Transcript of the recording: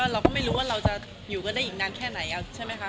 เราก็ไม่รู้ว่าเราจะอยู่กันได้อีกนานแค่ไหนใช่ไหมคะ